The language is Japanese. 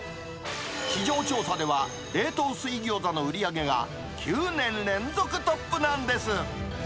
市場調査では、冷凍水ギョーザの売り上げが、９年連続トップなんです。